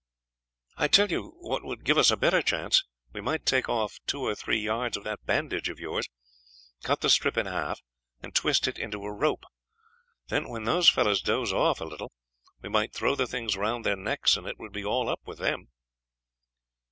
"I tell you what would give us a better chance we might take off two or three yards of that bandage of yours, cut the strip in half, and twist it into a rope; then when those fellows doze off a little, we might throw the things round their necks, and it would be all up with them."